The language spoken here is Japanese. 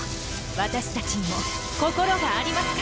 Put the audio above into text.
私たちにも心がありますから。